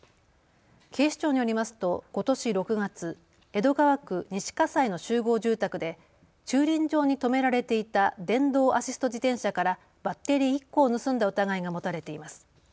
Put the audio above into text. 警視庁によりますとことし６月、江戸川区西葛西の集合住宅で駐輪場にとめられていた電動アシスト自転車からバッテリー１個を盗んだ疑いが持たれています。